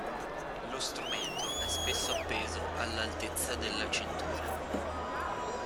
Lo strumento è spesso appeso all'altezza della cintura.